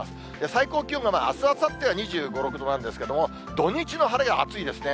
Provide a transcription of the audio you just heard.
最高気温があす、あさってが２５、６度なんですが、土日の晴れが暑いですね。